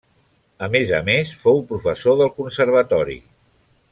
A més a més fou professor del conservatori.